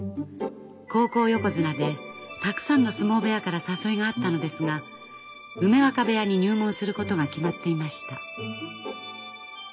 高校横綱でたくさんの相撲部屋から誘いがあったのですが梅若部屋に入門することが決まっていました。